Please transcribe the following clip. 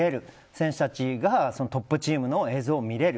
選手たちがトップチームの映像を見れる。